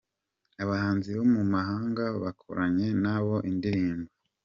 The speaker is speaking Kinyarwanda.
Abahanzi bo mu mahanga bakoranye na bo indirimbo .